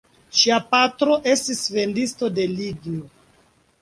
Ŝia patro estis vendisto de ligno.